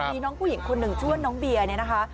มีน้องผู้หญิงคนหนึ่งชื่อว่าน้องเบียร์เนี่ยนะคะ